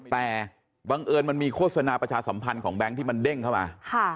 แต่บังเอิญมันมีโฆษณาประชาสัมพันธ์ของแบงค์ที่มันเด้งเข้ามา